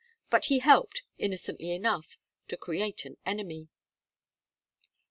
But he helped, innocently enough, to create an enemy.